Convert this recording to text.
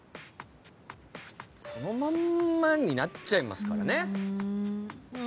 そのまんまになっちゃいますからね。